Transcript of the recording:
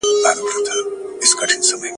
د ړندو په ښار کي يو سترگئ پاچا دئ.